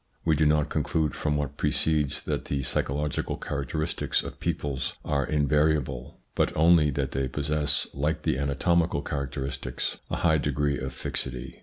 We do not conclude from what precedes that the psychological characteristics of peoples are invariable, but only that they possess, like the anatomical characteristics, a high degree of fixity.